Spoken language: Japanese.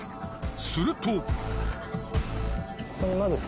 すると。